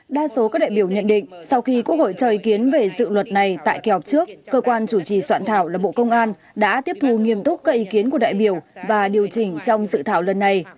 đa số các đại biểu nhận định sau khi quốc hội cho ý kiến về dự luật này tại kỳ họp trước cơ quan chủ trì soạn thảo là bộ công an đã tiếp thu nghiêm túc các ý kiến của đại biểu và điều chỉnh trong dự thảo lần này